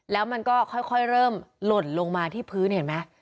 แล้วมันก็ค่อยเริ่มหล่นลงมาที่พื้นเห็นไหม